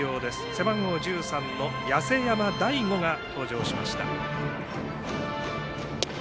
背番号１３、八瀬山大悟が登場しました。